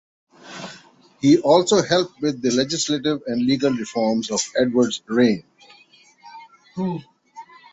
He also helped with the legislative and legal reforms of Edward's reign.